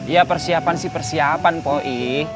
ya persiapan sih persiapan poi